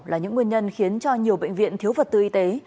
là những nguyên nhân khiến cho nhiều bệnh viện thiếu vật tư y tế